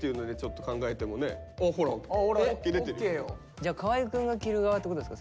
じゃ河合くんが斬る側ってことですか？